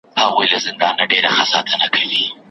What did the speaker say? نه پريښوول کیږم، چي نکاح وکړم.